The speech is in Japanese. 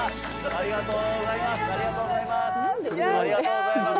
ありがとうございます。